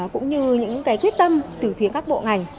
cũng như những quyết tâm từ phía các bộ ngành